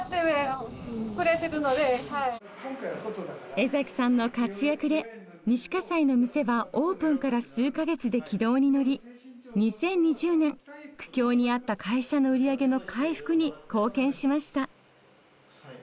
江崎さんの活躍で西西の店はオープンから数か月で軌道に乗り２０２０年苦境にあった会社の売り上げの回復に貢献しました。